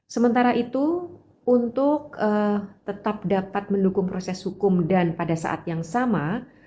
sementara itu untuk tetap dapat mendukung proses hukum dan pada saat yang sama